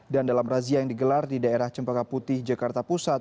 dan dalam razia yang digelar di daerah cempaka putih jakarta pusat